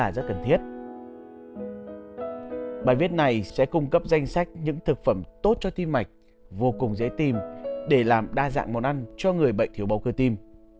bài viết này sẽ cung cấp danh sách những thực phẩm tốt cho tim mạch vô cùng dễ tìm để làm đa dạng món ăn cho người bệnh thiếu máu cơ tim